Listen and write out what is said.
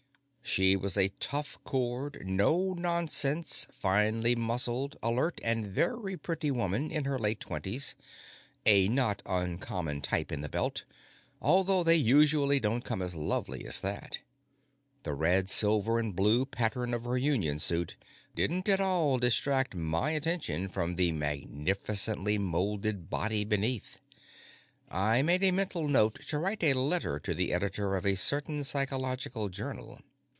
She was a tough cored, no nonsense, finely muscled, alert, and very pretty woman in her late twenties a not uncommon type in the Belt, although they usually don't come as lovely as that. The red, silver, and blue pattern of her union suit didn't at all distract my attention from the magnificently molded body beneath; I made a mental note to write a letter to the editor of a certain psychological journal.